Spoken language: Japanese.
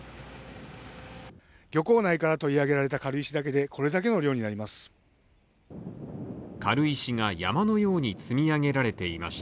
漁港内から取り上げられた軽石だけでこれだけの量になります。